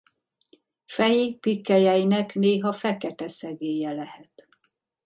Feji pikkelyeinek néha fekete szegélye lehet.